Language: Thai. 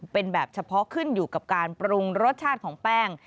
เป็นแบบเฉพาะขึ้นอยู่กับการปรุงรสชาติของแป้ง